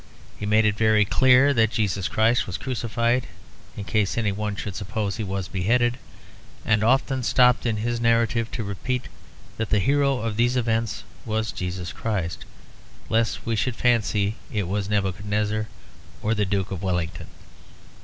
He made it very clear that Jesus Christ was crucified in case any one should suppose he was beheaded; and often stopped in his narrative to repeat that the hero of these events was Jesus Christ, lest we should fancy it was Nebuchadnezzar or the Duke of Wellington.